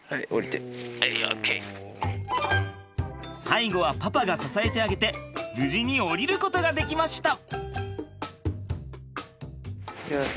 最後はパパが支えてあげて無事に降りることができました！